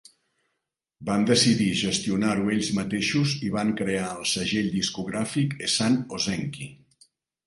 Van decidir gestionar-ho ells mateixos i van crear el segell discogràfic Esan Ozenki.